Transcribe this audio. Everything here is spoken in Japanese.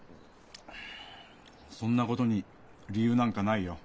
そんなことに理由なんかないよ。